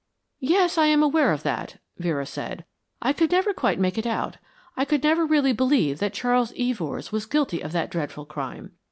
"Yes, I am aware of that," Vera said. "I could never make it out I could never really believe that Charles Evors was guilty of that dreadful crime.